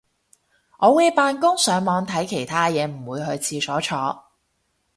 我會扮工上網睇其他嘢唔會去廁所坐